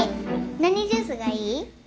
何ジュースがいい？